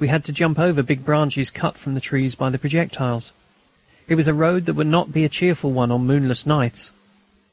We had to jump over big branches cut from the trees by the projectiles. It was a road that would not be a cheerful one on moonless nights.